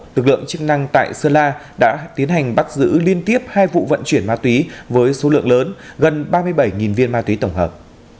lực lượng chức năng tại sơn la đã tiến hành bắt giữ liên tiếp hai vụ vận chuyển ma túy với số lượng lớn gần ba mươi bảy viên ma túy tổng hợp